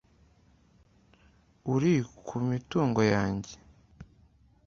uri kumitungo yanjye